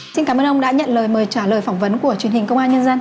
xin cảm ơn ông đã nhận lời mời trả lời phỏng vấn của truyền hình công an nhân dân